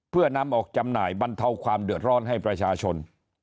เพื่อนำออกจำหน่ายบรรเทาความเดือดร้อนให้ประชาชน